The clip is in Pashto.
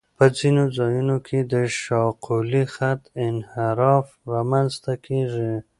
په ځینو ځایونو کې د شاقولي خط انحراف رامنځته کیږي